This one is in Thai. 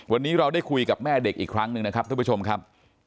วันนี้เราได้คุยกับแม่เด็กอีกครั้งหนึ่งนะครับท่านผู้ชมครับ